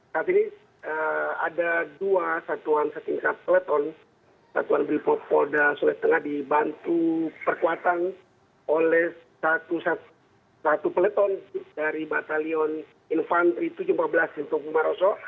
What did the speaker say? saat ini ada dua satuan setingkat peleton satuan brimopolda sulawesi tengah dibantu perkuatan oleh satu peleton dari batalion infantri tujuh ratus lima belas sintung maroso